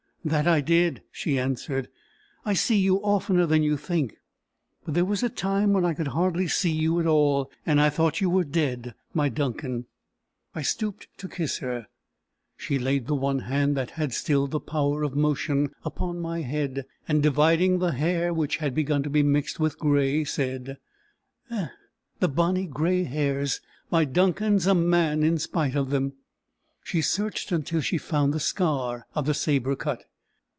"That I did," she answered. "I see you oftener than you think. But there was a time when I could hardly see you at all, and I thought you were dead, my Duncan." I stooped to kiss her. She laid the one hand that had still the power of motion upon my head, and dividing the hair, which had begun to be mixed with grey, said: "Eh! The bonny grey hairs! My Duncan's a man in spite of them!" She searched until she found the scar of the sabre cut.